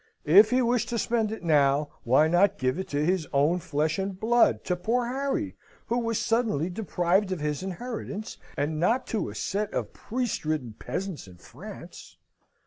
if he wished to spend it now, why not give it to his own flesh and blood, to poor Harry, who was suddenly deprived of his inheritance, and not to a set of priest ridden peasants in France?